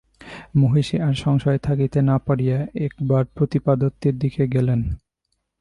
মহিষী আর সংশয়ে থাকিতে না পারিয়া একবার প্রতাপাদিত্যের কাছে গেলেন।